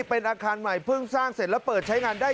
เป็นอาคารใหม่เพิ่งสร้างเสร็จแล้วเปิดใช้งานได้